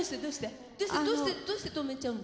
どうしてどうして止めちゃうの？